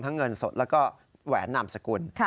เงินสดแล้วก็แหวนนามสกุล